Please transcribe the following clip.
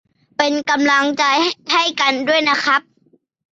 เป็นกำลังใจให้กันด้วยนะครับ